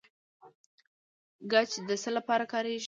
ګچ د څه لپاره کاریږي؟